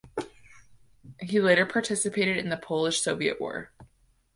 He later participated in the Polish–Soviet War.